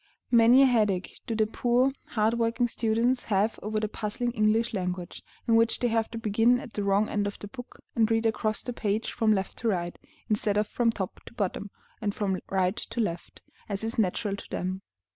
Many a headache do the poor, hard working students have over the puzzling English language, in which they have to begin at the wrong end of the book and read across the page from left to right, instead of from top to bottom, and from right to left, as is natural to them.